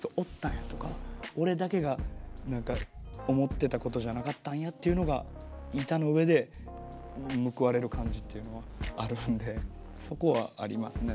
俺だけが思ってたことじゃなかったんやっていうのが板の上で報われる感じっていうのはあるんでそこはありますね。